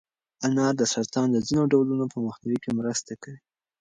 انار د سرطان د ځینو ډولونو په مخنیوي کې مرسته کوي.